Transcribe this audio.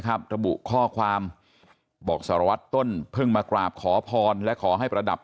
ระบุข้อความบอกสารวัตรต้นเพิ่งมากราบขอพรและขอให้ประดับ